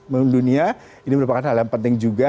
menurut dunia ini merupakan hal yang penting juga